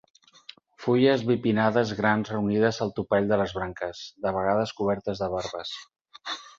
Fulles bipinnades grans reunides al topall de les branques, de vegades cobertes de barbes.